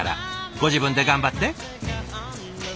ご自分で頑張って？